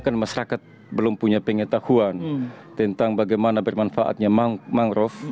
kan masyarakat belum punya pengetahuan tentang bagaimana bermanfaatnya mangrove